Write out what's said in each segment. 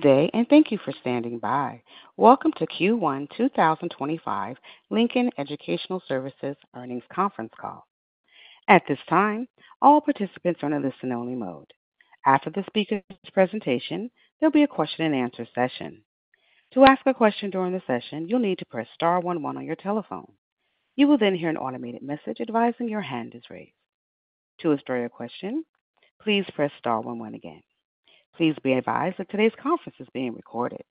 Today, and thank you for standing by. Welcome to Q1 2025 Lincoln Educational Services earnings conference call. At this time, all participants are in a listen-only mode. After the speaker's presentation, there'll be a question-and-answer session. To ask a question during the session, you'll need to press star one one on your telephone. You will then hear an automated message advising your hand is ready. To ask your question, please press star one one again. Please be advised that today's conference is being recorded.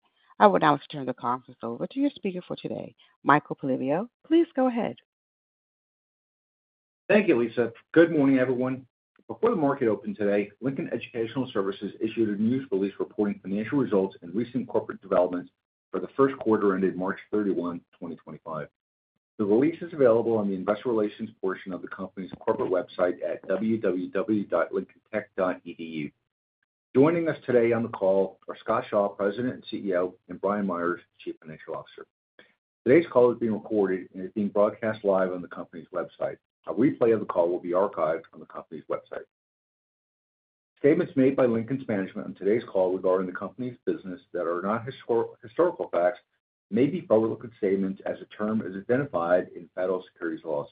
I will now turn the conference over to your speaker for today, Michael Polyviou. Please go ahead. Thank you, Lisa. Good morning, everyone. Before the market opened today, Lincoln Educational Services issued a news release reporting financial results and recent corporate developments for the first quarter ended March 31, 2025. The release is available on the investor relations portion of the company's corporate website at www.lincolntech.edu. Joining us today on the call are Scott Shaw, President and CEO, and Brian Meyers, Chief Financial Officer. Today's call is being recorded and is being broadcast live on the company's website. A replay of the call will be archived on the company's website. Statements made by Lincoln's management on today's call regarding the company's business that are not historical facts may be publicly stated as a term as identified in federal securities laws.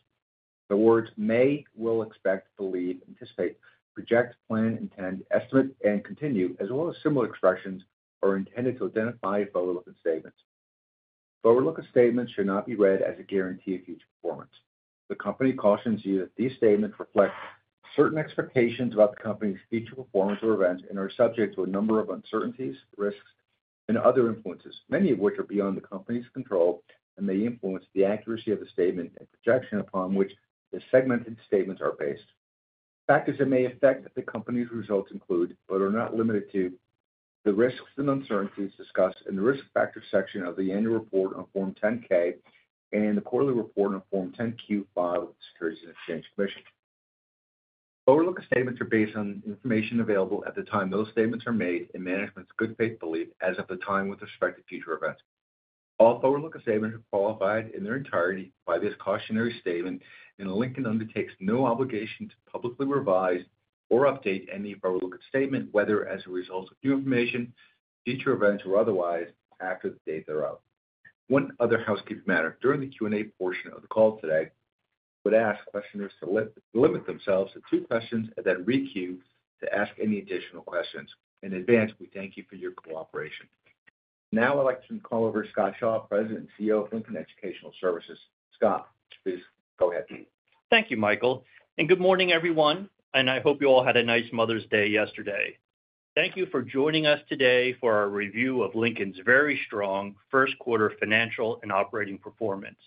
The words "may," "will," "expect," "believe," "anticipate," "project," "plan," "intend," "estimate," and "continue," as well as similar expressions, are intended to identify public statements. Public statements should not be read as a guarantee of future performance. The company cautions you that these statements reflect certain expectations about the company's future performance or events and are subject to a number of uncertainties, risks, and other influences, many of which are beyond the company's control and may influence the accuracy of the statement and projection upon which the segmented statements are based. Factors that may affect the company's results include, but are not limited to, the risks and uncertainties discussed in the risk factors section of the annual report on Form 10-K and the quarterly report on Form 10-Q of the Securities and Exchange Commission. Public statements are based on information available at the time those statements are made and management's good faith belief as of the time with respect to future events. All public statements are qualified in their entirety by this cautionary statement, and Lincoln undertakes no obligation to publicly revise or update any public statement, whether as a result of new information, future events, or otherwise, after the date they're out. One other housekeeping matter: during the Q&A portion of the call today, we would ask questioners to limit themselves to two questions and then re-queue to ask any additional questions. In advance, we thank you for your cooperation. Now I'd like to call over Scott Shaw, President and CEO of Lincoln Educational Services. Scott, please go ahead. Thank you, Michael. Good morning, everyone. I hope you all had a nice Mother's Day yesterday. Thank you for joining us today for our review of Lincoln's very strong first quarter financial and operating performance.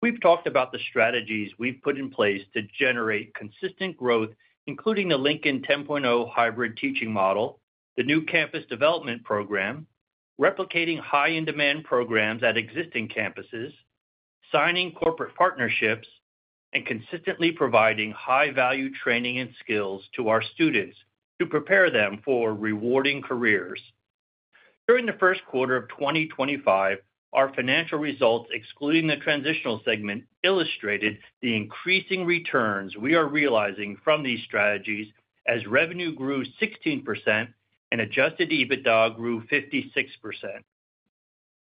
We have talked about the strategies we have put in place to generate consistent growth, including the Lincoln 10.0 hybrid teaching model, the new campus development program, replicating high-in-demand programs at existing campuses, signing corporate partnerships, and consistently providing high-value training and skills to our students to prepare them for rewarding careers. During the first quarter of 2025, our financial results, excluding the transitional segment, illustrated the increasing returns we are realizing from these strategies as revenue grew 16% and adjusted EBITDA grew 56%.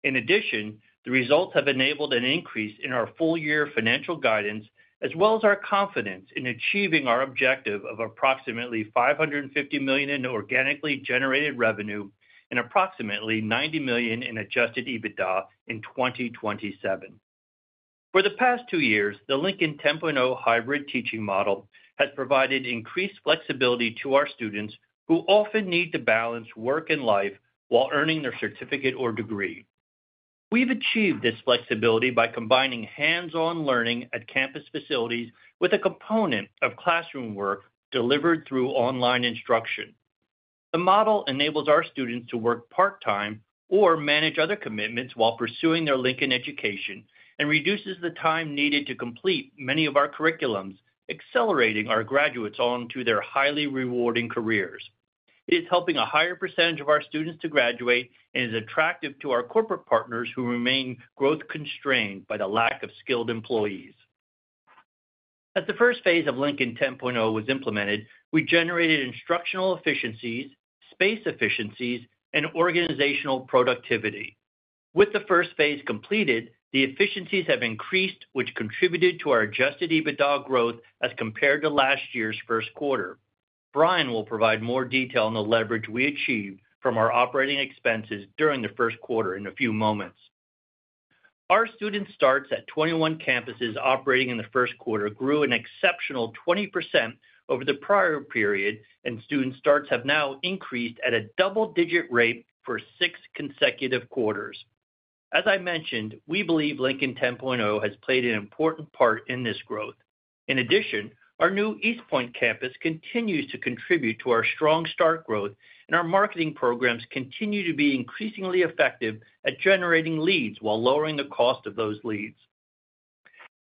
In addition, the results have enabled an increase in our full-year financial guidance, as well as our confidence in achieving our objective of approximately $550 million in organically generated revenue and approximately $90 million in adjusted EBITDA in 2027. For the past two years, the Lincoln 10.0 hybrid teaching model has provided increased flexibility to our students who often need to balance work and life while earning their certificate or degree. We've achieved this flexibility by combining hands-on learning at campus facilities with a component of classroom work delivered through online instruction. The model enables our students to work part-time or manage other commitments while pursuing their Lincoln education and reduces the time needed to complete many of our curriculums, accelerating our graduates on to their highly rewarding careers. It is helping a higher percentage of our students to graduate and is attractive to our corporate partners who remain growth-constrained by the lack of skilled employees. As the first phase of Lincoln 10.0 was implemented, we generated instructional efficiencies, space efficiencies, and organizational productivity. With the first phase completed, the efficiencies have increased, which contributed to our adjusted EBITDA growth as compared to last year's first quarter. Brian will provide more detail on the leverage we achieved from our operating expenses during the first quarter in a few moments. Our student starts at 21 campuses operating in the first quarter grew an exceptional 20% over the prior period, and student starts have now increased at a double-digit rate for six consecutive quarters. As I mentioned, we believe Lincoln 10.0 has played an important part in this growth. In addition, our new East Point campus continues to contribute to our strong start growth, and our marketing programs continue to be increasingly effective at generating leads while lowering the cost of those leads.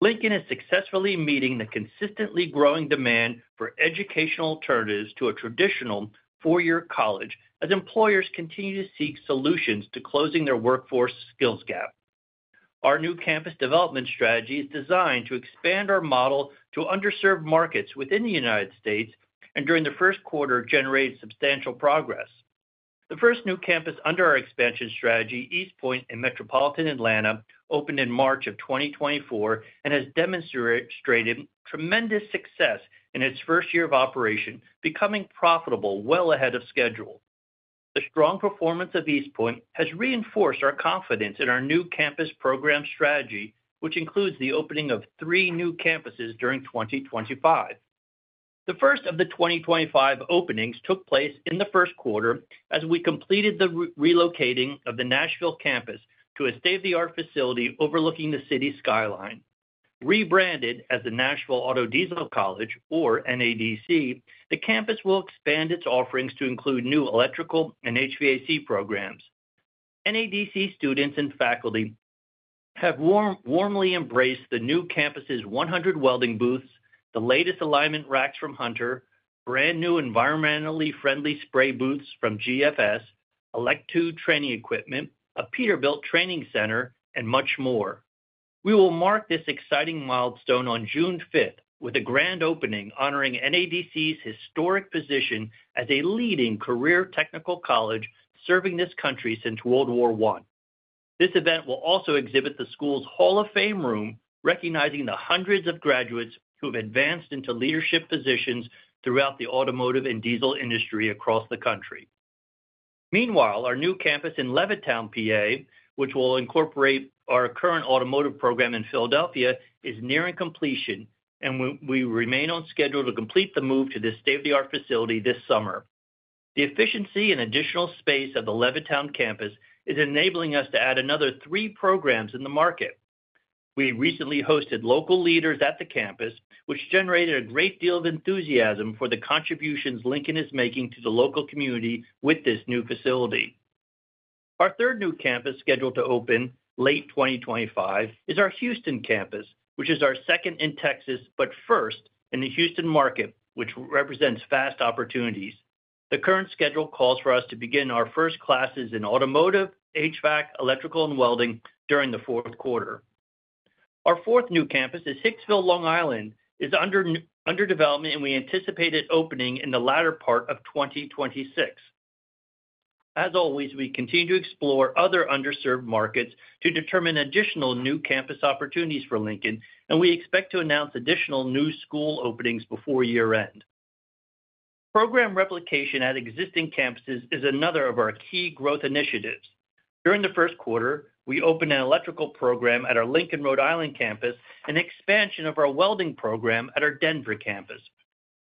Lincoln is successfully meeting the consistently growing demand for educational alternatives to a traditional four-year college as employers continue to seek solutions to closing their workforce skills gap. Our new campus development strategy is designed to expand our model to underserved markets within the United States and, during the first quarter, generate substantial progress. The first new campus under our expansion strategy, East Point in Metropolitan Atlanta, opened in March of 2024 and has demonstrated tremendous success in its first year of operation, becoming profitable well ahead of schedule. The strong performance of East Point has reinforced our confidence in our new campus program strategy, which includes the opening of three new campuses during 2025. The first of the 2025 openings took place in the first quarter as we completed the relocating of the Nashville campus to a state-of-the-art facility overlooking the city skyline. Rebranded as the Nashville Auto-Diesel College, or NADC, the campus will expand its offerings to include new electrical and HVAC programs. NADC students and faculty have warmly embraced the new campus's 100 welding booths, the latest alignment racks from Hunter, brand new environmentally friendly spray booths from GFS, Electude training equipment, a Peterbilt training center, and much more. We will mark this exciting milestone on June 5th with a grand opening honoring NADC's historic position as a leading career technical college serving this country since World War I. This event will also exhibit the school's Hall of Fame room, recognizing the hundreds of graduates who have advanced into leadership positions throughout the automotive and diesel industry across the country. Meanwhile, our new campus in Levittown, PA, which will incorporate our current automotive program in Philadelphia, is nearing completion, and we remain on schedule to complete the move to this state-of-the-art facility this summer. The efficiency and additional space of the Levittown campus is enabling us to add another three programs in the market. We recently hosted local leaders at the campus, which generated a great deal of enthusiasm for the contributions Lincoln is making to the local community with this new facility. Our third new campus scheduled to open late 2025 is our Houston campus, which is our second in Texas but first in the Houston market, which represents fast opportunities. The current schedule calls for us to begin our first classes in automotive, HVAC, electrical, and welding during the fourth quarter. Our fourth new campus is Hicksville, Long Island, is under development, and we anticipate it opening in the latter part of 2026. As always, we continue to explore other underserved markets to determine additional new campus opportunities for Lincoln, and we expect to announce additional new school openings before year-end. Program replication at existing campuses is another of our key growth initiatives. During the first quarter, we opened an Electrical Program at our Lincoln, Rhode Island campus and an expansion of our welding program at our Denver campus.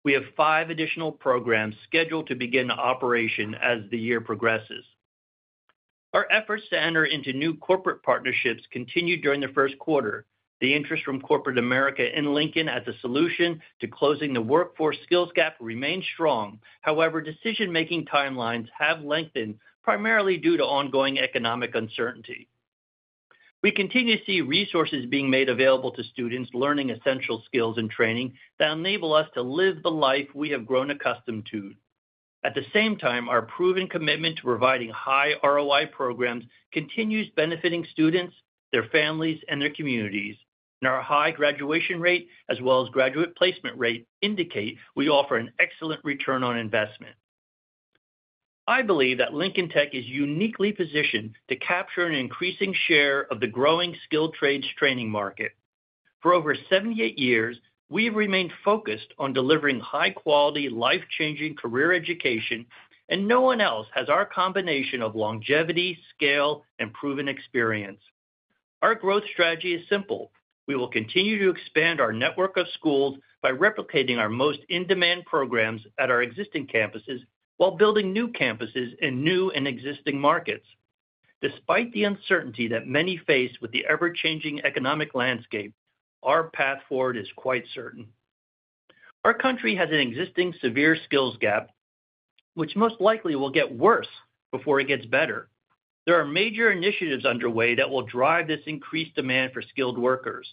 We have five additional programs scheduled to begin operation as the year progresses. Our efforts to enter into new corporate partnerships continued during the first quarter. The interest from corporate America and Lincoln as a solution to closing the workforce skills gap remains strong. However, decision-making timelines have lengthened primarily due to ongoing economic uncertainty. We continue to see resources being made available to students learning essential skills and training that enable us to live the life we have grown accustomed to. At the same time, our proven commitment to providing high ROI programs continues benefiting students, their families, and their communities. Our high graduation rate, as well as graduate placement rate, indicate we offer an excellent return on investment. I believe that Lincoln Tech is uniquely positioned to capture an increasing share of the growing skilled trades training market. For over 78 years, we have remained focused on delivering high-quality, life-changing career education, and no one else has our combination of longevity, scale, and proven experience. Our growth strategy is simple. We will continue to expand our network of schools by replicating our most in-demand programs at our existing campuses while building new campuses in new and existing markets. Despite the uncertainty that many face with the ever-changing economic landscape, our path forward is quite certain. Our country has an existing severe skills gap, which most likely will get worse before it gets better. There are major initiatives underway that will drive this increased demand for skilled workers.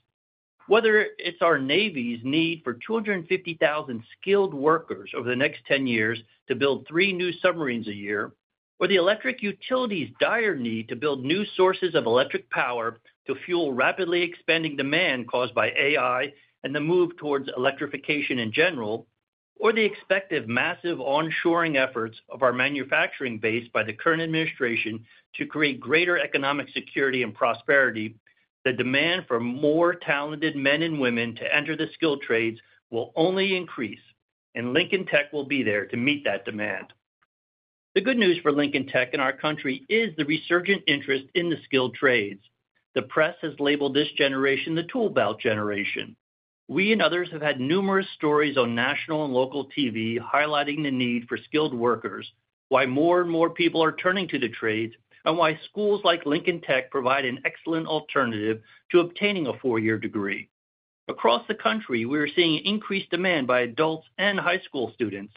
Whether it's our Navy's need for 250,000 skilled workers over the next 10 years to build three new submarines a year, or the electric utility's dire need to build new sources of electric power to fuel rapidly expanding demand caused by AI and the move towards electrification in general, or the expected massive onshoring efforts of our manufacturing base by the current administration to create greater economic security and prosperity, the demand for more talented men and women to enter the skilled trades will only increase, and Lincoln Tech will be there to meet that demand. The good news for Lincoln Tech and our country is the resurgent interest in the skilled trades. The press has labeled this generation the toolbelt generation. We and others have had numerous stories on national and local TV highlighting the need for skilled workers, why more and more people are turning to the trades, and why schools like Lincoln Tech provide an excellent alternative to obtaining a four-year degree. Across the country, we are seeing increased demand by adults and high school students.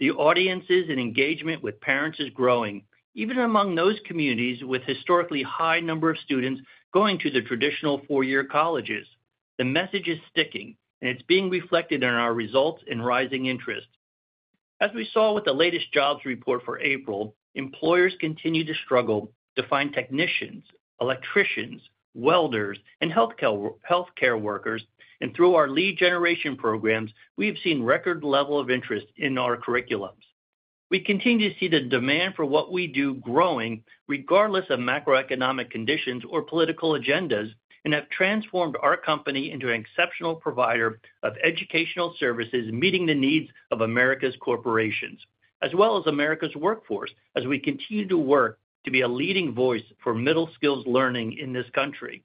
The audiences and engagement with parents is growing, even among those communities with a historically high number of students going to the traditional four-year colleges. The message is sticking, and it's being reflected in our results and rising interest. As we saw with the latest jobs report for April, employers continue to struggle to find technicians, electricians, welders, and healthcare workers, and through our lead generation programs, we have seen a record level of interest in our curriculums. We continue to see the demand for what we do growing regardless of macroeconomic conditions or political agendas and have transformed our company into an exceptional provider of educational services meeting the needs of America's corporations, as well as America's workforce as we continue to work to be a leading voice for middle skills learning in this country.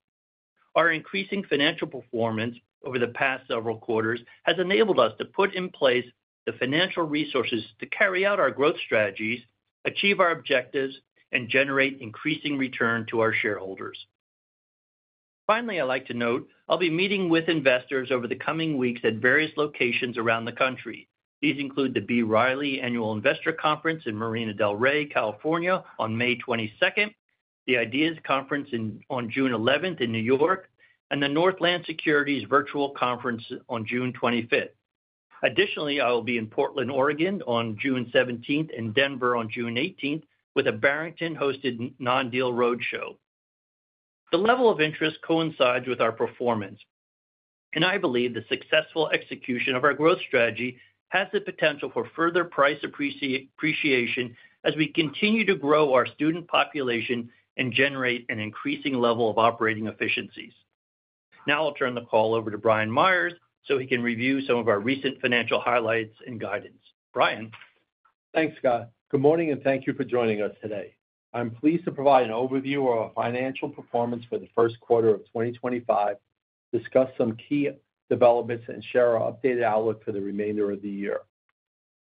Our increasing financial performance over the past several quarters has enabled us to put in place the financial resources to carry out our growth strategies, achieve our objectives, and generate increasing returns to our shareholders. Finally, I'd like to note I'll be meeting with investors over the coming weeks at various locations around the country. These include the B. Riley Annual Investor Conference in Marina del Rey, California, on May 22, the IDEAS Conference on June 11 in New York, and the Northland Securities Virtual Conference on June 25. Additionally, I will be in Portland, Oregon, on June 17, and Denver on June 18 with a Barrington-hosted non-deal roadshow. The level of interest coincides with our performance, and I believe the successful execution of our growth strategy has the potential for further price appreciation as we continue to grow our student population and generate an increasing level of operating efficiencies. Now I'll turn the call over to Brian Meyers so he can review some of our recent financial highlights and guidance. Brian. Thanks, Scott. Good morning and thank you for joining us today. I'm pleased to provide an overview of our financial performance for the first quarter of 2025, discuss some key developments, and share our updated outlook for the remainder of the year.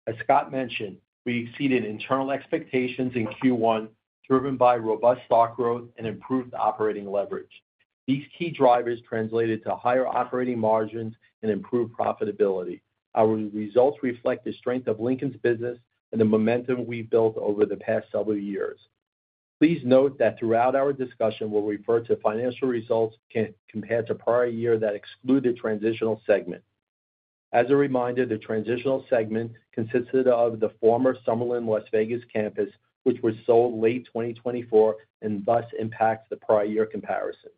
As Scott mentioned, we exceeded internal expectations in Q1, driven by robust stock growth and improved operating leverage. These key drivers translated to higher operating margins and improved profitability. Our results reflect the strength of Lincoln's business and the momentum we've built over the past several years. Please note that throughout our discussion, we'll refer to financial results compared to prior years that exclude the transitional segment. As a reminder, the transitional segment consisted of the former Summerlin, Nevada campus, which was sold late 2024, and thus impacts the prior year comparisons.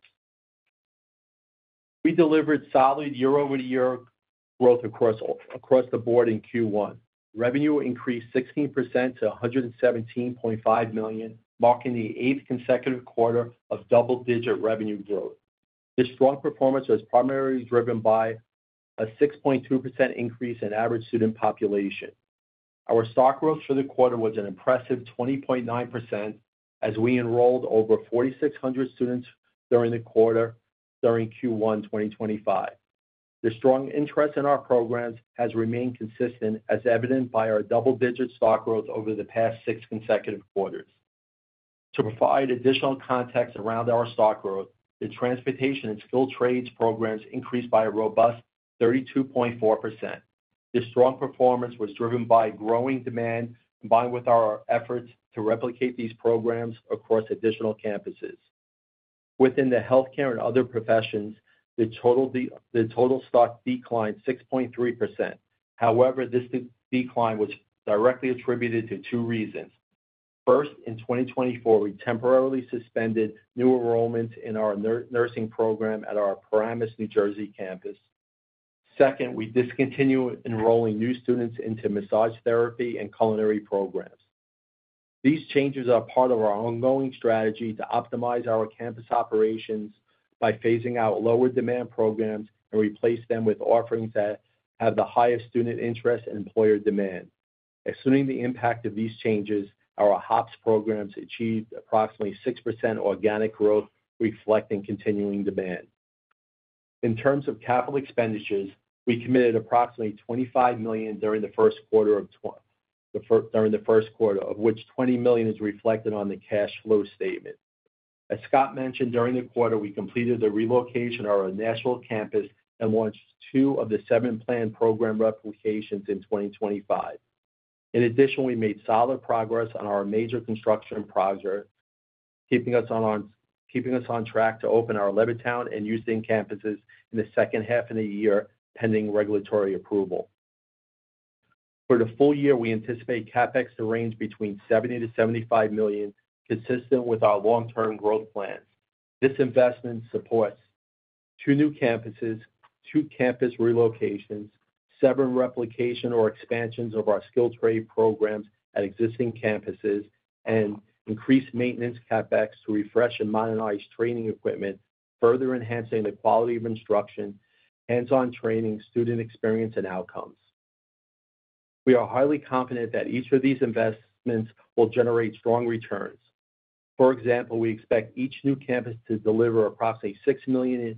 We delivered solid year-over-year growth across the board in Q1. Revenue increased 16% to $117.5 million, marking the eighth consecutive quarter of double-digit revenue growth. This strong performance was primarily driven by a 6.2% increase in average student population. Our student starts growth for the quarter was an impressive 20.9% as we enrolled over 4,600 students during the quarter during Q1 2025. The strong interest in our programs has remained consistent, as evident by our double-digit student starts growth over the past six consecutive quarters. To provide additional context around our student starts growth, the Transportation and Skilled Trades programs increased by a robust 32.4%. This strong performance was driven by growing demand combined with our efforts to replicate these programs across additional campuses. Within the Healthcare and Other Professions, the total student starts declined 6.3%. However, this decline was directly attributed to two reasons. First, in 2024, we temporarily suspended new enrollments in our Nursing Program at our Paramus, New Jersey campus. Second, we discontinued enrolling new students into Massage Therapy and Culinary Programs. These changes are part of our ongoing strategy to optimize our campus operations by phasing out lower-demand programs and replacing them with offerings that have the highest student interest and employer demand. Assuming the impact of these changes, our HOPS Programs achieved approximately 6% organic growth, reflecting continuing demand. In terms of capital expenditures, we committed approximately $25 million during the first quarter, of which $20 million is reflected on the cash flow statement. As Scott mentioned, during the quarter, we completed the relocation of our national campus and launched two of the seven planned program replications in 2025. In addition, we made solid progress on our major construction project, keeping us on track to open our Levittown and Houston campuses in the second half of the year pending regulatory approval. For the full year, we anticipate CapEx to range between $70-$75 million, consistent with our long-term growth plan. This investment supports two new campuses, two campus relocations, seven replication or expansions of our skilled trade programs at existing campuses, and increased maintenance CapEx to refresh and modernize training equipment, further enhancing the quality of instruction, hands-on training, student experience, and outcomes. We are highly confident that each of these investments will generate strong returns. For example, we expect each new campus to deliver approximately $6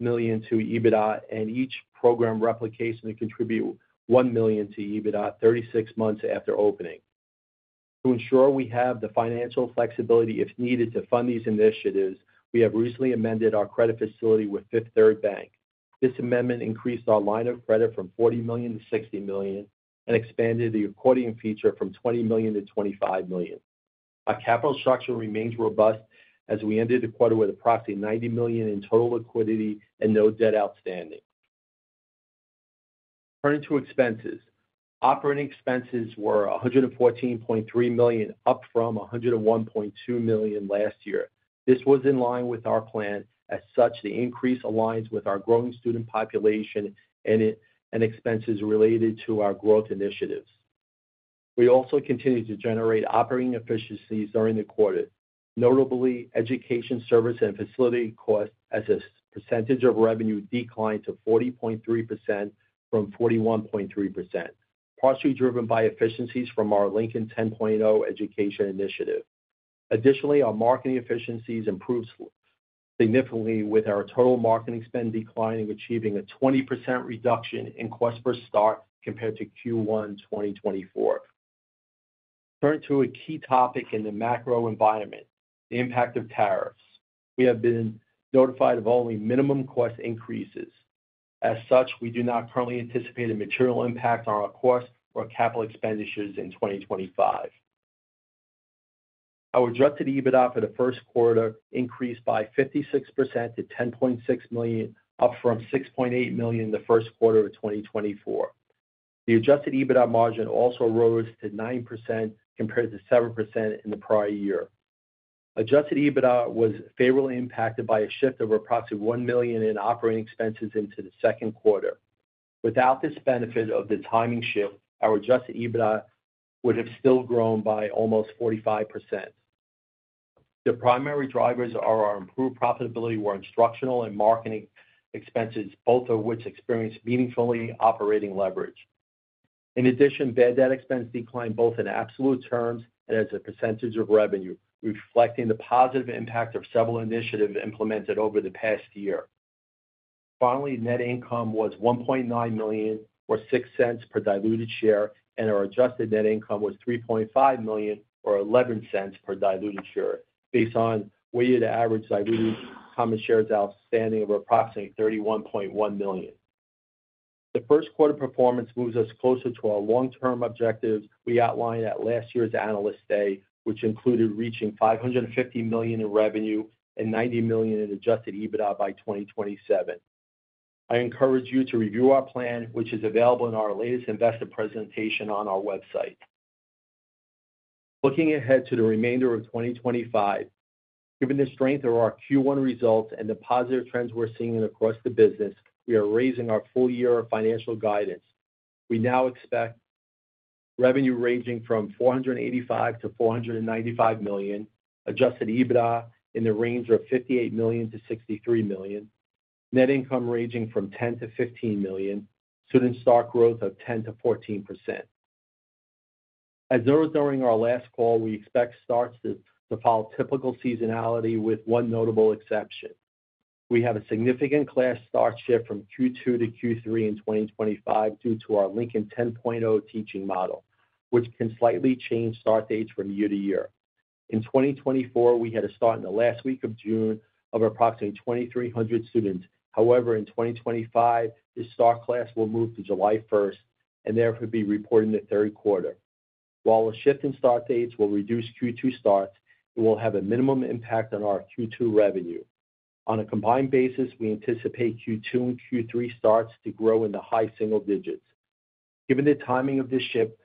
million to EBITDA and each program replication to contribute $1 million to EBITDA 36 months after opening. To ensure we have the financial flexibility if needed to fund these initiatives, we have recently amended our credit facility with Fifth Third Bank. This amendment increased our line of credit from $40 million to $60 million and expanded the accordion feature from $20 million to $25 million. Our capital structure remains robust as we ended the quarter with approximately $90 million in total liquidity and no debt outstanding. Turning to expenses, operating expenses were $114.3 million, up from $101.2 million last year. This was in line with our plan, as such the increase aligns with our growing student population and expenses related to our growth initiatives. We also continue to generate operating efficiencies during the quarter. Notably, education service and facility costs as a percentage of revenue declined to 40.3% from 41.3%, partially driven by efficiencies from our Lincoln 10.0 education initiative. Additionally, our marketing efficiencies improved significantly with our total marketing spend declining, achieving a 20% reduction in cost per start compared to Q1 2024. Turning to a key topic in the macro environment, the impact of tariffs. We have been notified of only minimum cost increases. As such, we do not currently anticipate a material impact on our cost or capital expenditures in 2025. Our adjusted EBITDA for the first quarter increased by 56% to $10.6 million, up from $6.8 million in the first quarter of 2024. The adjusted EBITDA margin also rose to 9% compared to 7% in the prior year. Adjusted EBITDA was favorably impacted by a shift of approximately $1 million in operating expenses into the second quarter. Without this benefit of the timing shift, our adjusted EBITDA would have still grown by almost 45%. The primary drivers of our improved profitability were instructional and marketing expenses, both of which experienced meaningful operating leverage. In addition, bad debt expense declined both in absolute terms and as a percentage of revenue, reflecting the positive impact of several initiatives implemented over the past year. Finally, net income was $1.9 million, or $0.06 per diluted share, and our adjusted net income was $3.5 million, or $0.11 per diluted share, based on weighted average diluted common shares outstanding of approximately 31.1 million. The first quarter performance moves us closer to our long-term objectives we outlined at last year's analyst day, which included reaching $550 million in revenue and $90 million in adjusted EBITDA by 2027. I encourage you to review our plan, which is available in our latest investor presentation on our website. Looking ahead to the remainder of 2025, given the strength of our Q1 results and the positive trends we're seeing across the business, we are raising our full-year financial guidance. We now expect revenue ranging from $485 million-$495 million, adjusted EBITDA in the range of $58 million-$63 million, net income ranging from $10 million-$15 million, student start growth of 10%-14%. As noted during our last call, we expect starts to follow typical seasonality with one notable exception. We have a significant class start shift from Q2 to Q3 in 2025 due to our Lincoln 10.0 teaching model, which can slightly change start dates from year to year. In 2024, we had a start in the last week of June of approximately 2,300 students. However, in 2025, the start class will move to July 1 and therefore be reported in the third quarter. While a shift in start dates will reduce Q2 starts, it will have a minimal impact on our Q2 revenue. On a combined basis, we anticipate Q2 and Q3 starts to grow in the high single digits. Given the timing of this shift,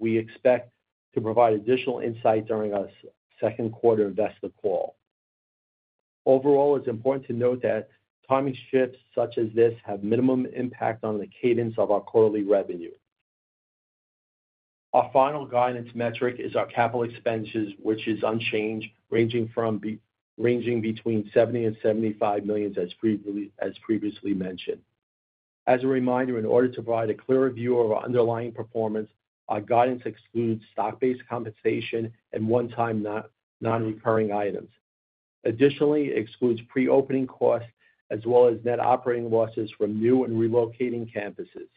we expect to provide additional insight during our second quarter investor call. Overall, it's important to note that timing shifts such as this have minimal impact on the cadence of our quarterly revenue. Our final guidance metric is our capital expenses, which is unchanged, ranging between $70 million-$75 million, as previously mentioned. As a reminder, in order to provide a clearer view of our underlying performance, our guidance excludes stock-based compensation and one-time non-recurring items. Additionally, it excludes pre-opening costs as well as net operating losses from new and relocating campuses.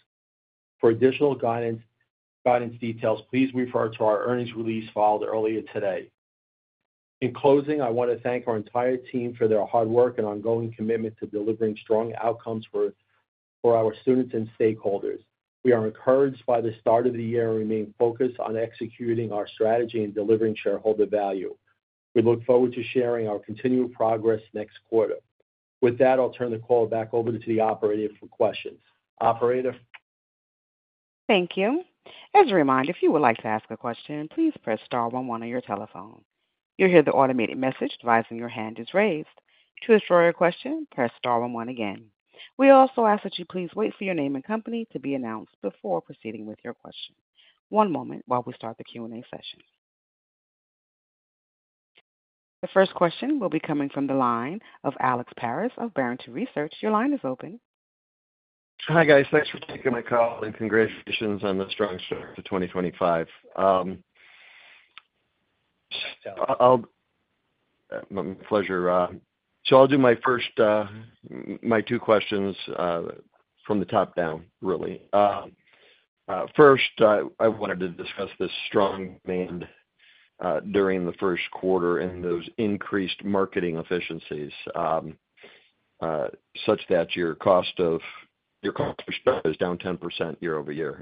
For additional guidance details, please refer to our earnings release filed earlier today. In closing, I want to thank our entire team for their hard work and ongoing commitment to delivering strong outcomes for our students and stakeholders. We are encouraged by the start of the year and remain focused on executing our strategy and delivering shareholder value. We look forward to sharing our continued progress next quarter. With that, I'll turn the call back over to the operator for questions. Operator. Thank you. As a reminder, if you would like to ask a question, please press star one one on your telephone. You'll hear the automated message advising your hand is raised. To ask for a question, press star one one again. We also ask that you please wait for your name and company to be announced before proceeding with your question. One moment while we start the Q&A session. The first question will be coming from the line of Alex Paris of Barrington Research. Your line is open. Hi guys, thanks for taking my call and congratulations on the strong start to 2025. I'll do my first, my two questions from the top down, really. First, I wanted to discuss this strong demand during the first quarter and those increased marketing efficiencies such that your cost of your cost per start is down 10% year-over-year.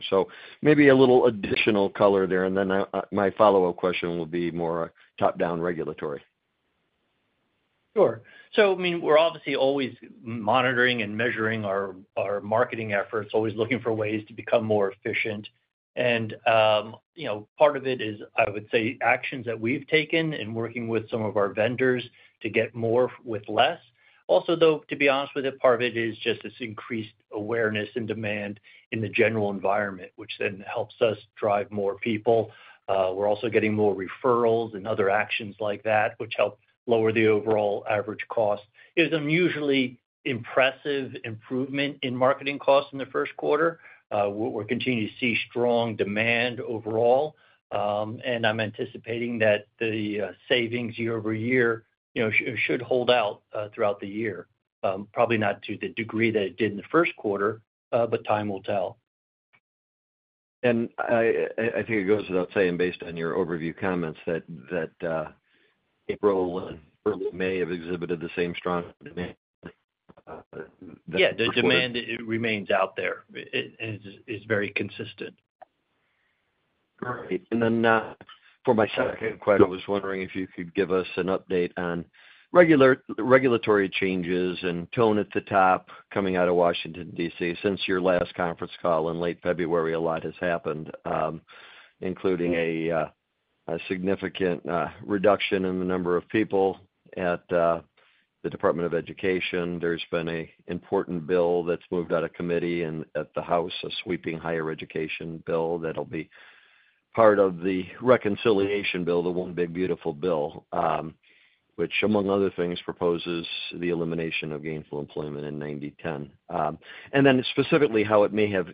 Maybe a little additional color there, and then my follow-up question will be more top-down regulatory. Sure. I mean, we're obviously always monitoring and measuring our marketing efforts, always looking for ways to become more efficient. You know, part of it is, I would say, actions that we've taken and working with some of our vendors to get more with less. Also, though, to be honest with you, part of it is just this increased awareness and demand in the general environment, which then helps us drive more people. We're also getting more referrals and other actions like that, which help lower the overall average cost. It was a mutually impressive improvement in marketing costs in the first quarter. We're continuing to see strong demand overall, and I'm anticipating that the savings year-over-year, you know, should hold out throughout the year, probably not to the degree that it did in the first quarter, but time will tell. I think it goes without saying, based on your overview comments, that April and early May have exhibited the same strong demand. Yeah, the demand remains out there and is very consistent. For my second question, I was wondering if you could give us an update on regulatory changes and tone at the top coming out of Washington, D.C. Since your last conference call in late February, a lot has happened, including a significant reduction in the number of people at the Department of Education. There's been an important bill that's moved out of committee and at the House, a sweeping higher education bill that'll be part of the reconciliation bill, the one big beautiful bill, which, among other things, proposes the elimination of gainful employment and 90/10. Specifically, how it may have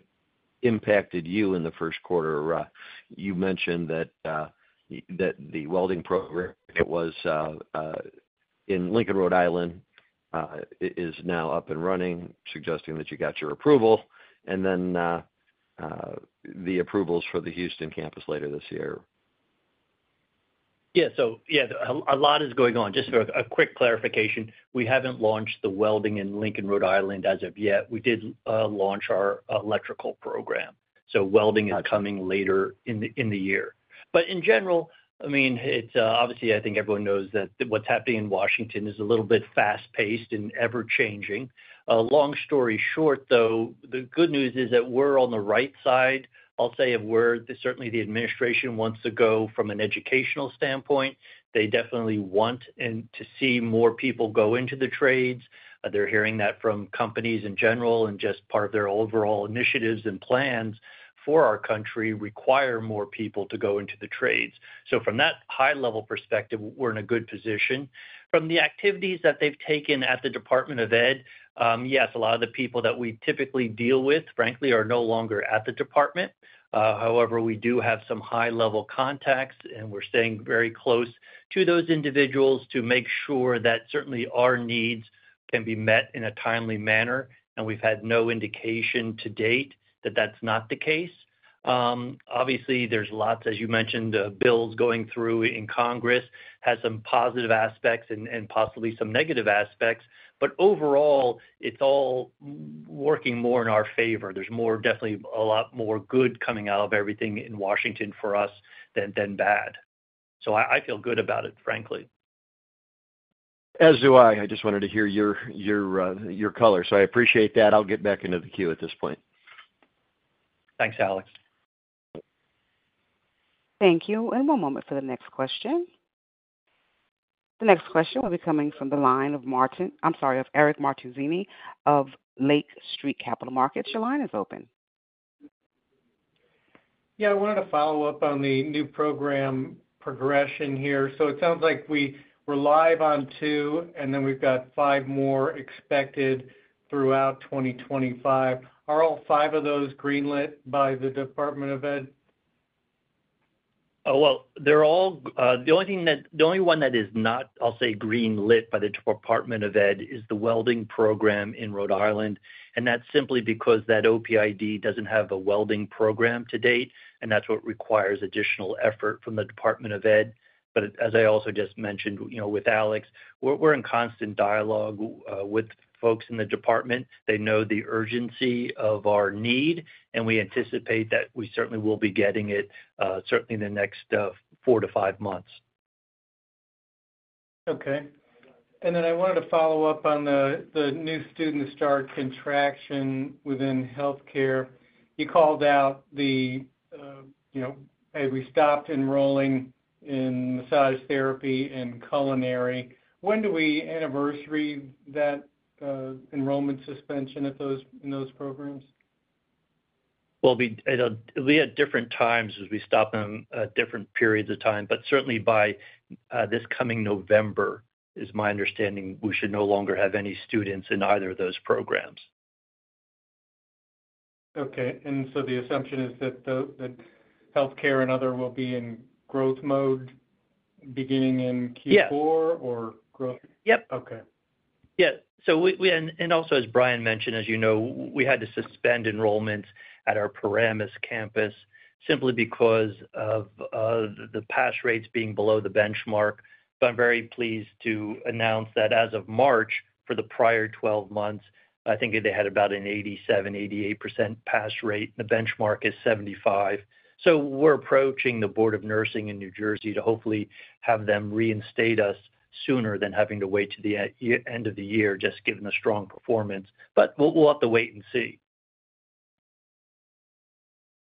impacted you in the first quarter. You mentioned that the welding program that was in Lincoln, Rhode Island, is now up and running, suggesting that you got your approval, and then the approvals for the Houston campus later this year. Yeah, so yeah, a lot is going on. Just for a quick clarification, we haven't launched the welding in Lincoln, Rhode Island, as of yet. We did launch our Electrical Program. Welding is coming later in the year. In general, I mean, it's obviously, I think everyone knows that what's happening in Washington is a little bit fast-paced and ever-changing. Long story short, though, the good news is that we're on the right side, I'll say, of where certainly the administration wants to go from an educational standpoint. They definitely want to see more people go into the trades. They're hearing that from companies in general and just part of their overall initiatives and plans for our country require more people to go into the trades. From that high-level perspective, we're in a good position. From the activities that they've taken at the Department of Ed, yes, a lot of the people that we typically deal with, frankly, are no longer at the department. However, we do have some high-level contacts, and we're staying very close to those individuals to make sure that certainly our needs can be met in a timely manner. We've had no indication to date that that's not the case. Obviously, there's lots, as you mentioned, the bills going through in Congress have some positive aspects and possibly some negative aspects. Overall, it's all working more in our favor. There's more, definitely a lot more good coming out of everything in Washington for us than bad. I feel good about it, frankly. As do I. I just wanted to hear your color. I appreciate that. I'll get back into the queue at this point. Thanks, Alex. Thank you. One moment for the next question. The next question will be coming from the line of Eric Martinuzzi of Lake Street Capital Markets. Your line is open. Yeah, I wanted to follow up on the new program progression here. It sounds like we were live on two, and then we've got five more expected throughout 2025. Are all five of those greenlit by the Department of Ed? The only one that is not, I'll say, greenlit by the Department of Ed is the welding program in Rhode Island. That's simply because that OPID doesn't have a welding program to date, and that's what requires additional effort from the Department of Ed. As I also just mentioned, you know, with Alex, we're in constant dialogue with folks in the department. They know the urgency of our need, and we anticipate that we certainly will be getting it certainly in the next four to five months. Okay. I wanted to follow up on the new student start contraction within healthcare. You called out the, you know, hey, we stopped enrolling in massage therapy and culinary. When do we anniversary that enrollment suspension in those programs? We had different times as we stopped them at different periods of time, but certainly by this coming November, it is my understanding we should no longer have any students in either of those programs. Okay. The assumption is that healthcare and other will be in growth mode beginning in Q4 or growth? Yep. Okay. Yeah We, and also as Brian mentioned, as you know, we had to suspend enrollment at our Paramus campus simply because of the pass rates being below the benchmark. I'm very pleased to announce that as of March for the prior 12 months, I think they had about an 87-88% pass rate. The benchmark is 75%. We're approaching the Board of Nursing in New Jersey to hopefully have them reinstate us sooner than having to wait to the end of the year just given the strong performance. We'll have to wait and see.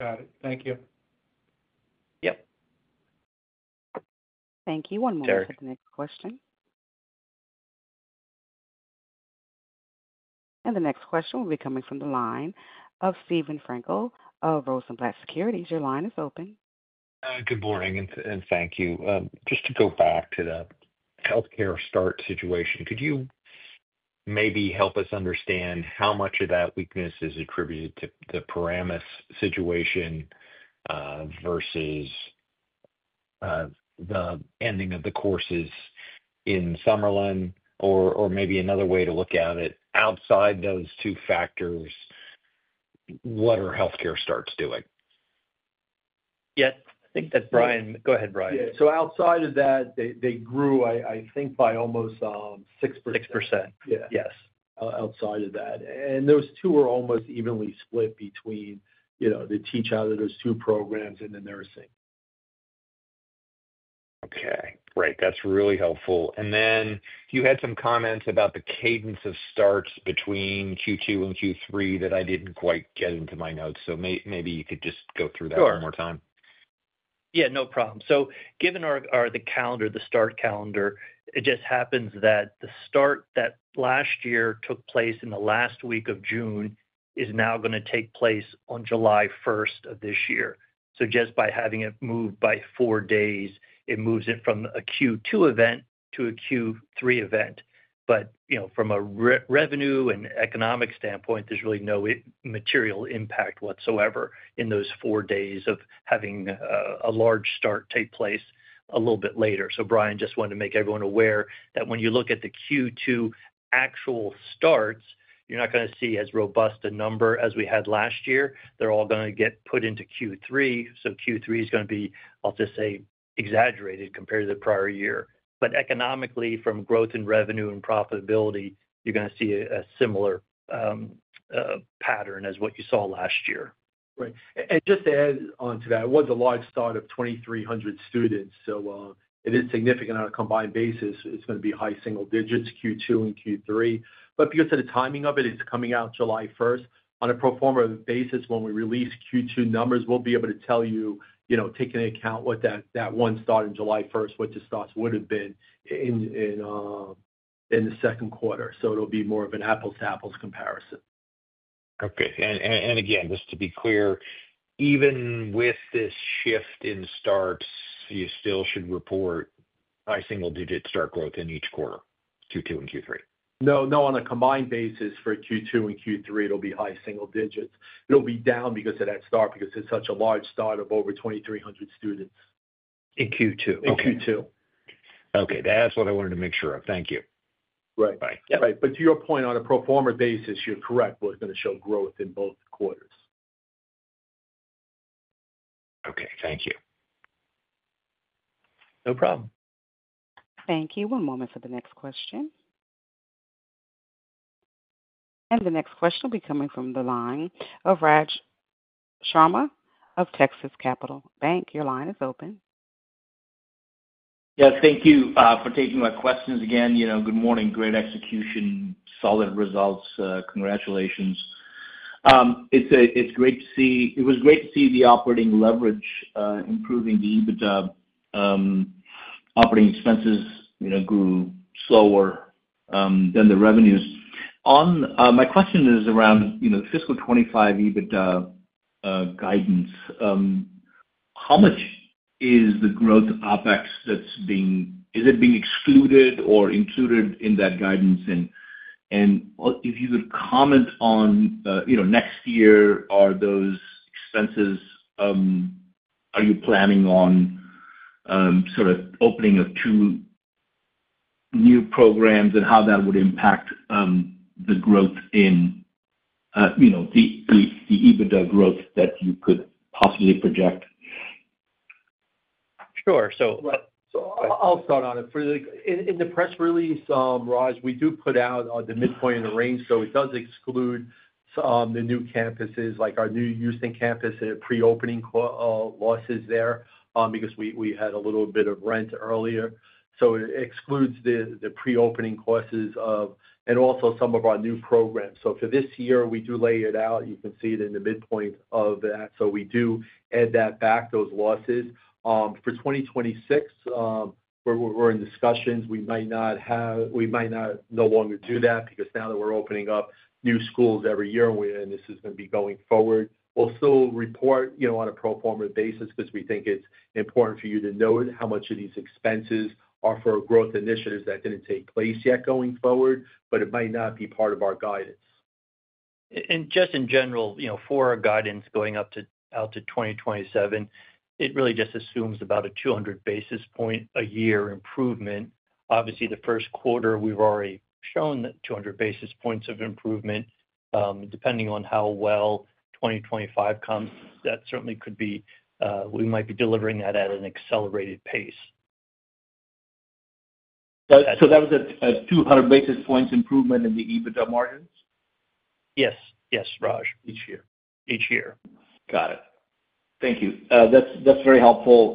Got it. Thank you. Yep. Thank you. One moment for the next question. The next question will be coming from the line of Steven Frankel of Rosenblatt Securities. Your line is open. Good morning and thank you. Just to go back to the healthcare start situation, could you maybe help us understand how much of that weakness is attributed to the Paramus situation versus the ending of the courses in Summerlin or maybe another way to look at it? Outside those two factors, what are healthcare starts doing? Yeah, I think that Brian—go ahead, Brian. Outside of that, they grew, I think, by almost 6%. Yes. Outside of that. Those two are almost evenly split between, you know, the teach-out of those two programs and the nursing. Okay. Great. That's really helpful. You had some comments about the cadence of starts between Q2 and Q3 that I didn't quite get into my notes. Maybe you could just go through that one more time. Yeah, no problem. Given the calendar, the start calendar, it just happens that the start that last year took place in the last week of June is now going to take place on July 1 of this year. Just by having it move by four days, it moves it from a Q2 event to a Q3 event. You know, from a revenue and economic standpoint, there is really no material impact whatsoever in those four days of having a large start take place a little bit later. Brian just wanted to make everyone aware that when you look at the Q2 actual starts, you are not going to see as robust a number as we had last year. They are all going to get put into Q3. Q3 is going to be, I will just say, exaggerated compared to the prior year. Economically, from growth and revenue and profitability, you're going to see a similar pattern as what you saw last year. Right. Just to add on to that, it was a large start of 2,300 students. It is significant on a combined basis. It's going to be high single digits Q2 and Q3. Because of the timing of it, it's coming out July 1 on a pro forma basis. When we release Q2 numbers, we'll be able to tell you, you know, taking into account what that one start on July 1, what the starts would have been in the second quarter. It will be more of an apples-to-apples comparison. Okay. Again, just to be clear, even with this shift in start, you still should report high single-digit start growth in each quarter, Q2 and Q3. No, no, on a combined basis for Q2 and Q3, it'll be high single digits. It'll be down because of that start because it's such a large start of over 2,300 students in Q2. Okay. That's what I wanted to make sure of. Thank you. Right. Right. To your point, on a pro forma basis, you're correct, we're going to show growth in both quarters. Okay. Thank you. No problem. Thank you. One moment for the next question. The next question will be coming from the line of Raj Sharma of Texas Capital Bank. Your line is open. Yeah, thank you for taking my questions again. You know, good morning, great execution, solid results. Congratulations. It's great to see—it was great to see the operating leverage improving, the EBITDA operating expenses, you know, grew slower than the revenues. My question is around, you know, the fiscal 2025 EBITDA guidance. How much is the growth OPEX that's being—is it being excluded or included in that guidance? And if you could comment on, you know, next year, are those expenses—are you planning on sort of opening of two new programs and how that would impact the growth in, you know, the EBITDA growth that you could possibly project? Sure. I will start on it. In the press release, Raj, we do put out the midpoint in the range. It does exclude the new campuses, like our new Houston campus and pre-opening losses there because we had a little bit of rent earlier. It excludes the pre-opening courses and also some of our new programs. For this year, we do lay it out. You can see it in the midpoint of that. We do add that back, those losses. For 2026, we're in discussions. We might not have—we might not no longer do that because now that we're opening up new schools every year and this is going to be going forward, we'll still report, you know, on a pro forma basis because we think it's important for you to know how much of these expenses are for growth initiatives that didn't take place yet going forward, but it might not be part of our guidance. In general, you know, for our guidance going up to out to 2027, it really just assumes about a 200 basis point a year improvement. Obviously, the first quarter, we've already shown that 200 basis points of improvement. Depending on how well 2025 comes, that certainly could be—we might be delivering that at an accelerated pace. That was a 200 basis points improvement in the EBITDA margins? Yes. Yes, Raj, each year. Each year. Got it. Thank you. That's very helpful.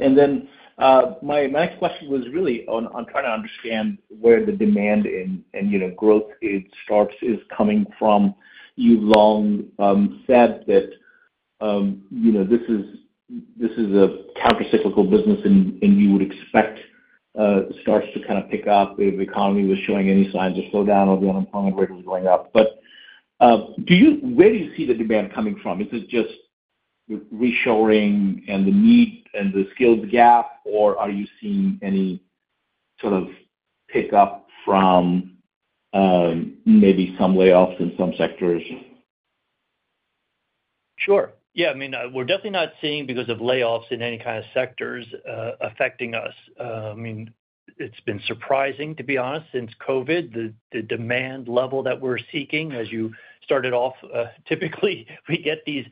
My next question was really on trying to understand where the demand and, you know, growth it starts is coming from. You've long said that, you know, this is a countercyclical business and you would expect starts to kind of pick up if the economy was showing any signs of slowdown or the unemployment rate was going up. Where do you see the demand coming from? Is it just reshoring and the need and the skilled gap, or are you seeing any sort of pickup from maybe some layoffs in some sectors? Sure. Yeah. I mean, we're definitely not seeing, because of layoffs in any kind of sectors, affecting us. I mean, it's been surprising, to be honest, since COVID, the demand level that we're seeking. As you started off, typically we get these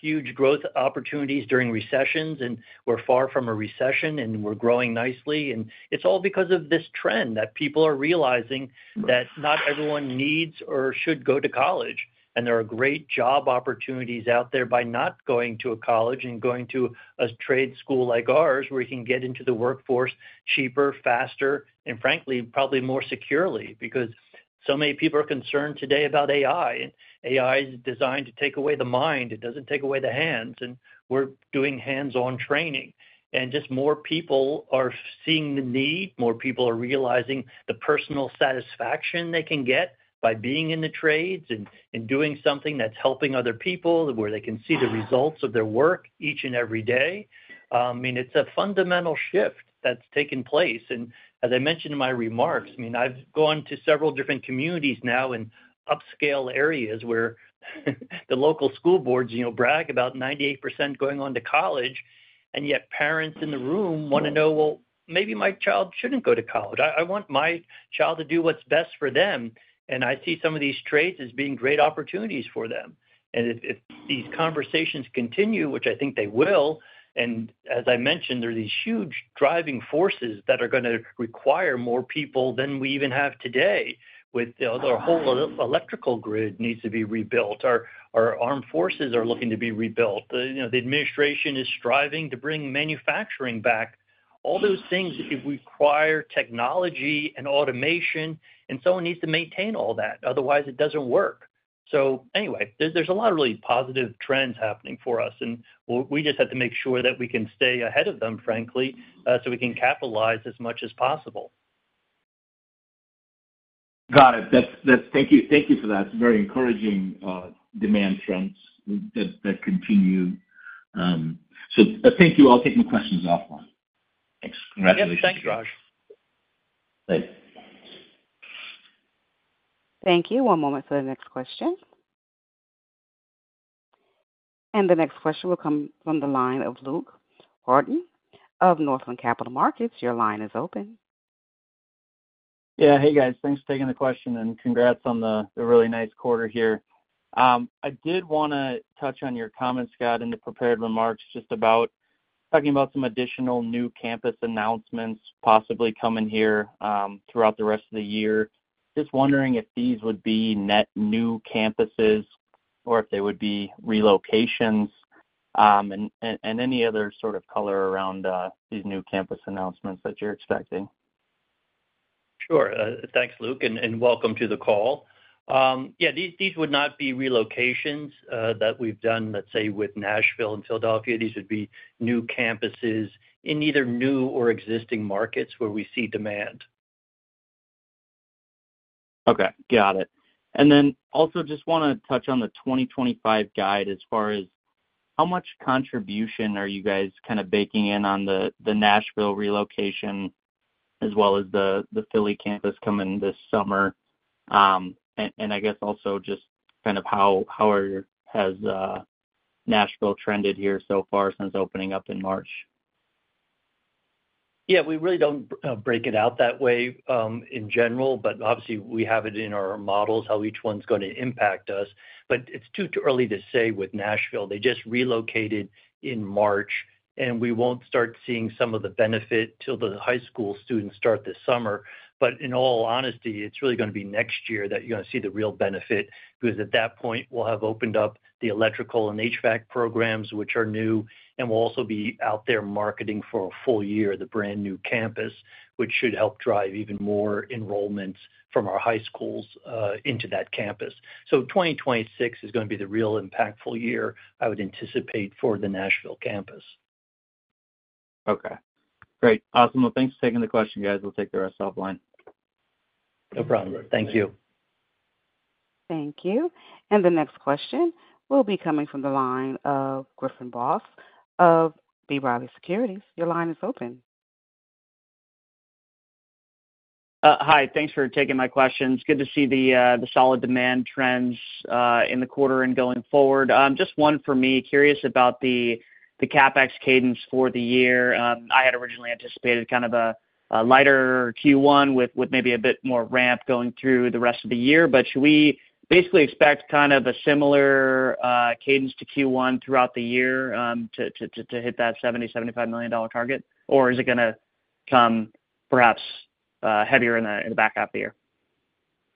huge growth opportunities during recessions, and we're far from a recession, and we're growing nicely. It's all because of this trend that people are realizing that not everyone needs or should go to college. There are great job opportunities out there by not going to a college and going to a trade school like ours, where you can get into the workforce cheaper, faster, and frankly, probably more securely, because so many people are concerned today about AI. AI is designed to take away the mind. It doesn't take away the hands. We're doing hands-on training. Just more people are seeing the need. More people are realizing the personal satisfaction they can get by being in the trades and doing something that's helping other people, where they can see the results of their work each and every day. It's a fundamental shift that's taken place. As I mentioned in my remarks, I've gone to several different communities now in upscale areas where the local school boards, you know, brag about 98% going on to college. Yet parents in the room want to know, maybe my child shouldn't go to college. I want my child to do what's best for them. I see some of these trades as being great opportunities for them. If these conversations continue, which I think they will, and as I mentioned, there are these huge driving forces that are going to require more people than we even have today, with the whole electrical grid needs to be rebuilt, our armed forces are looking to be rebuilt. You know, the administration is striving to bring manufacturing back. All those things require technology and automation, and someone needs to maintain all that. Otherwise, it does not work. Anyway, there is a lot of really positive trends happening for us, and we just have to make sure that we can stay ahead of them, frankly, so we can capitalize as much as possible. Got it. Thank you. Thank you for that. It is very encouraging demand trends that continue. Thank you. I will take my questions offline. Thanks. Congratulations. Thank you, Raj. Thank you. One moment for the next question. The next question will come from the line of Luke Horton of Northland Capital Markets. Your line is open. Yeah. Hey, guys. Thanks for taking the question and congrats on the really nice quarter here. I did want to touch on your comments, Scott, in the prepared remarks just about talking about some additional new campus announcements possibly coming here throughout the rest of the year. Just wondering if these would be net new campuses or if they would be relocations and any other sort of color around these new campus announcements that you're expecting. Sure. Thanks, Luke, and welcome to the call. Yeah, these would not be relocations that we've done, let's say, with Nashville and Philadelphia. These would be new campuses in either new or existing markets where we see demand. Okay. Got it. I also just want to touch on the 2025 guide as far as how much contribution are you guys kind of baking in on the Nashville relocation as well as the Philly campus coming this summer? I guess also just kind of how has Nashville trended here so far since opening up in March? Yeah, we really do not break it out that way in general, but obviously we have it in our models how each one's going to impact us. It is too early to say with Nashville. They just relocated in March, and we will not start seeing some of the benefit till the high school students start this summer. In all honesty, it's really going to be next year that you're going to see the real benefit because at that point, we'll have opened up the electrical and HVAC programs, which are new, and we'll also be out there marketing for a full year, the brand new campus, which should help drive even more enrollments from our high schools into that campus. 2026 is going to be the real impactful year, I would anticipate, for the Nashville campus. Okay. Great. Awesome. Thanks for taking the question, guys. We'll take the rest offline. No problem. Thank you. Thank you. The next question will be coming from the line of Griffin Boss of B. Riley Securities. Your line is open. Hi. Thanks for taking my questions. Good to see the solid demand trends in the quarter and going forward. Just one for me, curious about the CapEx cadence for the year. I had originally anticipated kind of a lighter Q1 with maybe a bit more ramp going through the rest of the year, but should we basically expect kind of a similar cadence to Q1 throughout the year to hit that $70-$75 million target, or is it going to come perhaps heavier in the back half of the year?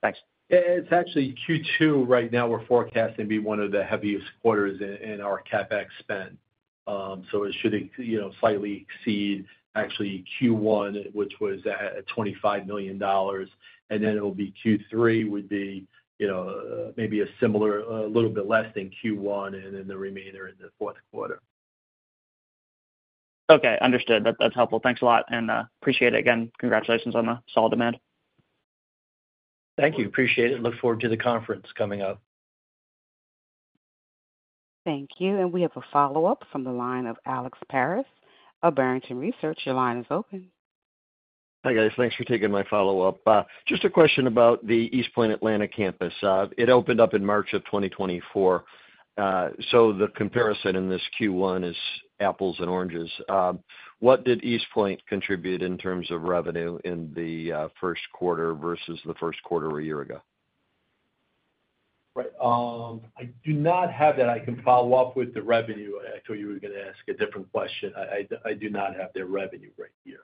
Thanks. It's actually Q2 right now. We're forecasting to be one of the heaviest quarters in our CapEx spend. It should, you know, slightly exceed actually Q1, which was at $25 million. Then Q3 would be, you know, maybe a similar, a little bit less than Q1 and then the remainder in the fourth quarter. Okay. Understood. That's helpful. Thanks a lot. Appreciate it again. Congratulations on the solid demand. Thank you. Appreciate it. Look forward to the conference coming up. Thank you. We have a follow-up from the line of Alex Paris of Barrington Research. Your line is open. Hi guys. Thanks for taking my follow-up. Just a question about the East Point Atlanta campus. It opened up in March of 2024. The comparison in this Q1 is apples and oranges. What did East Point contribute in terms of revenue in the first quarter versus the first quarter a year ago? Right. I do not have that. I can follow up with the revenue. I told you we were going to ask a different question. I do not have the revenue right here.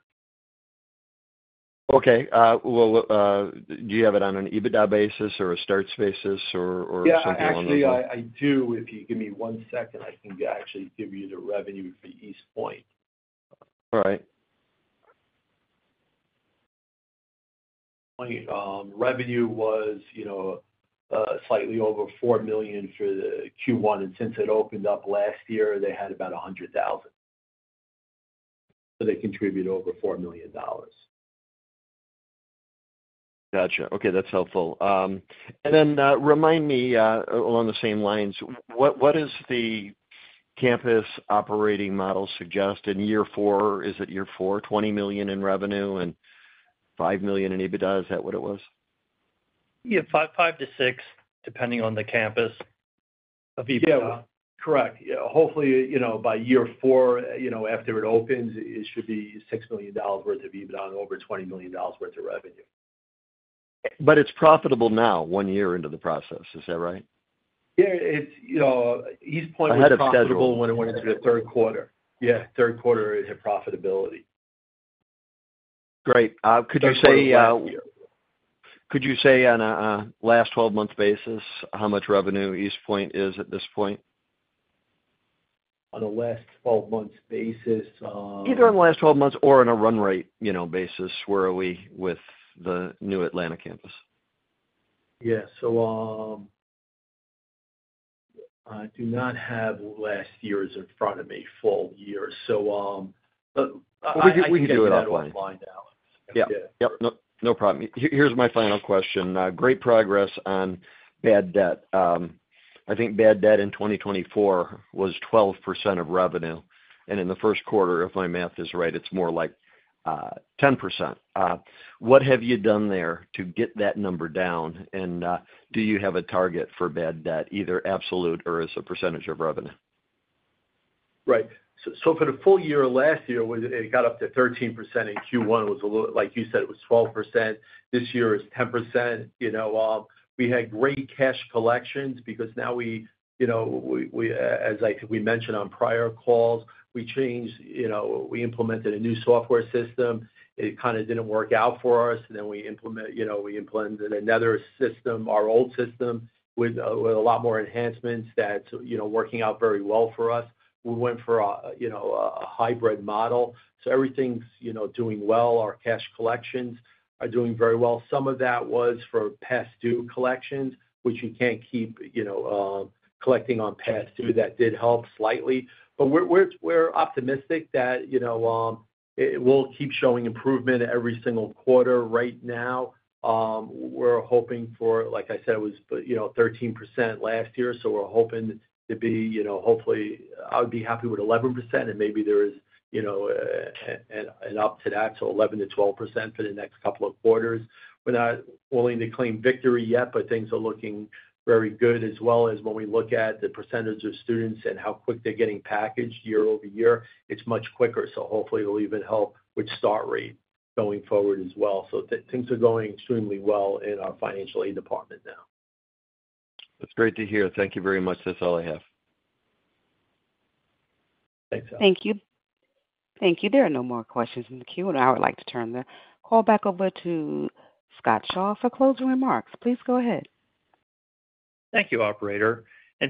Okay. Do you have it on an EBITDA basis or a starts basis or something along that? Yeah, actually, I do. If you give me one second, I can actually give you the revenue for East Point. All right. Revenue was, you know, slightly over $4 million for the Q1. And since it opened up last year, they had about $100,000. So they contribute over $4 million. Gotcha. Okay. That's helpful. And then remind me along the same lines, what does the campus operating model suggest in year four? Is it year four, $20 million in revenue and $5 million in EBITDA? Is that what it was? Yeah, five to six, depending on the campus of EBITDA. Correct. Yeah. Hopefully, you know, by year four, you know, after it opens, it should be $6 million worth of EBITDA and over $20 million worth of revenue. But it's profitable now one year into the process. Is that right? Yeah. It's, you know, East Point was profitable when it went into the third quarter. Yeah. Third quarter profitability. Great. Could you say, could you say on a last 12-month basis how much revenue East Point is at this point? On a last 12-month basis? Either in the last 12 months or on a run rate, you know, basis where are we with the new Atlanta campus? Yeah. I do not have last year's in front of me, full year. We can do it online, Alex. Yeah. Yep. No problem. Here's my final question. Great progress on bad debt. I think bad debt in 2024 was 12% of revenue. In the first quarter, if my math is right, it's more like 10%. What have you done there to get that number down? Do you have a target for bad debt, either absolute or as a percentage of revenue? Right. For the full year last year, it got up to 13% in Q1. It was a little, like you said, it was 12%. This year is 10%. You know, we had great cash collections because now we, you know, as I mentioned on prior calls, we changed, you know, we implemented a new software system. It kind of didn't work out for us. Then we implemented, you know, we implemented another system, our old system with a lot more enhancements that, you know, working out very well for us. We went for, you know, a hybrid model. Everything's, you know, doing well. Our cash collections are doing very well. Some of that was for past due collections, which you can't keep, you know, collecting on past due. That did help slightly. We're optimistic that, you know, we'll keep showing improvement every single quarter. Right now, we're hoping for, like I said, it was, you know, 13% last year. We're hoping to be, you know, hopefully, I'd be happy with 11%. And maybe there is, you know, an up to that, so 11-12% for the next couple of quarters. We're not willing to claim victory yet, but things are looking very good as well as when we look at the percentage of students and how quick they're getting packaged year-over-year, it's much quicker. Hopefully it'll even help with start rate going forward as well. Things are going extremely well in our financial aid department now. That's great to hear. Thank you very much. That's all I have. Thanks. Thank you. Thank you. There are no more questions in the Q&A. I would like to turn the call back over to Scott Shaw for closing remarks. Please go ahead. Thank you, Operator.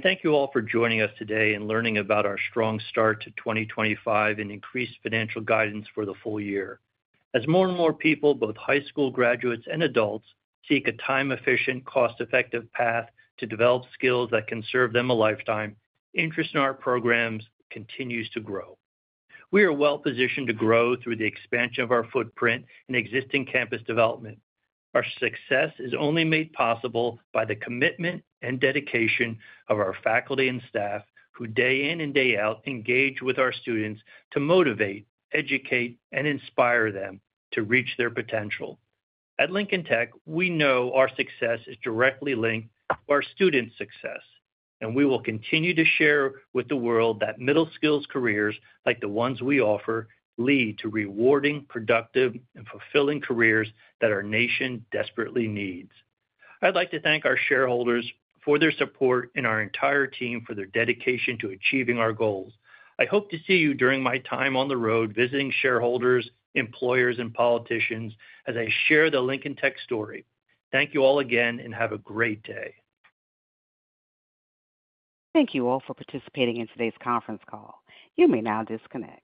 Thank you all for joining us today and learning about our strong start to 2025 and increased financial guidance for the full year. As more and more people, both high school graduates and adults, seek a time-efficient, cost-effective path to develop skills that can serve them a lifetime, interest in our programs continues to grow. We are well-positioned to grow through the expansion of our footprint and existing campus development. Our success is only made possible by the commitment and dedication of our faculty and staff who day in and day out engage with our students to motivate, educate, and inspire them to reach their potential. At Lincoln Tech, we know our success is directly linked to our student success, and we will continue to share with the world that middle-skills careers like the ones we offer lead to rewarding, productive, and fulfilling careers that our nation desperately needs. I'd like to thank our shareholders for their support and our entire team for their dedication to achieving our goals. I hope to see you during my time on the road visiting shareholders, employers, and politicians as I share the Lincoln Tech story. Thank you all again and have a great day. Thank you all for participating in today's conference call. You may now disconnect.